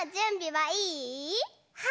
はい！